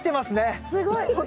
すごい。